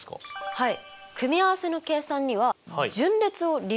はい。